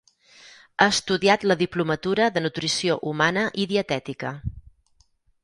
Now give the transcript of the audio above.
Ha estudiat la diplomatura de Nutrició Humana i Dietètica.